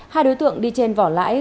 hai đối tượng đi trên vỏ lãi